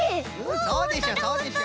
そうでしょそうでしょ。